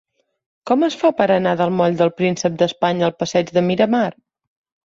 Com es fa per anar del moll del Príncep d'Espanya al passeig de Miramar?